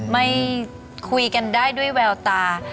ไม่คุยกันได้ด้วยแววตา